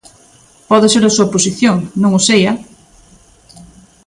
Pode ser a súa posición, non o sei, ¡eh!